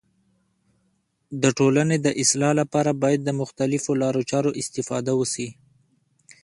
د ټولني د اصلاح لپاره باید د مختلیفو لارو چارو استفاده وسي.